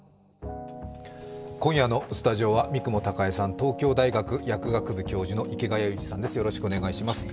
今夜のスタジオは三雲孝江さん、東京大学薬学部教授の池谷裕二さんです、よろしくお願いします。